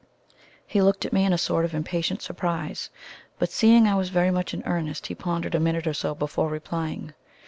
He looked at me in a sort of impatient surprise, but seeing I was very much in earnest, he pondered a minute or so before replying.